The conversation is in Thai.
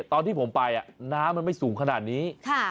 ตอนที่ผมไปน้ำมันไม่สูงขนาดนี้